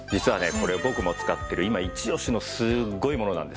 これ僕も使ってる今イチオシのすーごいものなんです。